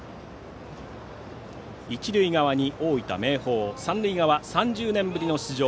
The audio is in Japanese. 一塁側に大分・明豊三塁側、３０年ぶりの出場